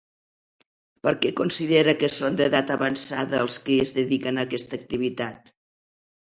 Per què considera que són d'edat avançada els qui es dediquen a aquesta activitat?